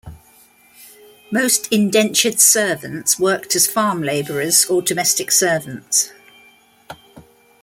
Most indentured servants worked as farm laborers or domestic servants.